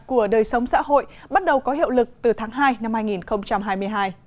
của đời sống xã hội bắt đầu có hiệu lực từ tháng hai năm hai nghìn hai mươi hai